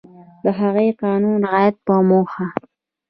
د هغه قانون رعایت په موخه